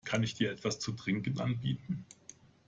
Kann ich dir etwas zu trinken anbieten?